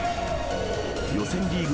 予選リーグ